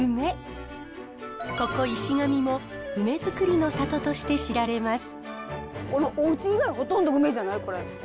ここ石神もウメづくりの里として知られます。